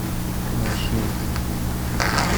نوشید